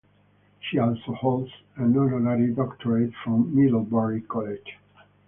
She also holds an Honorary Doctorate from Middlebury College.